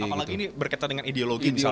apalagi ini berkaitan dengan ideologi misalnya